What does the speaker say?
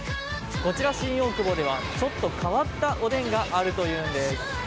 こちら新大久保では、ちょっと変わったおでんがあるというんです。